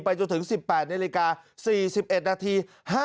จนถึง๑๘นาฬิกา๔๑นาที